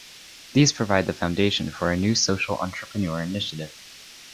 These provide the foundation for a new social entrepreneur initiative.